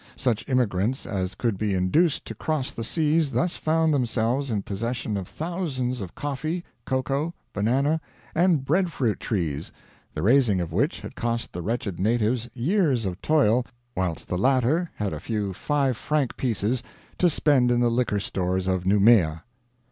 Such immigrants as could be induced to cross the seas thus found themselves in possession of thousands of coffee, cocoa, banana, and bread fruit trees, the raising of which had cost the wretched natives years of toil whilst the latter had a few five franc pieces to spend in the liquor stores of Noumea."